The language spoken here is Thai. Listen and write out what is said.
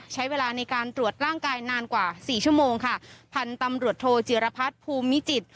ใช้เวลาในการตรวจร่างกายนานกว่าสี่ชั่วโมงค่ะพันธุ์ตำรวจโทจิรพัฒน์ภูมิจิตร